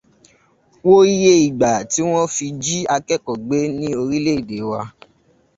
Wo iye ìgbà tí wọ́n ti jí akẹ́kọ̀ọ́ gbé ní orílẹ̀ ède wa.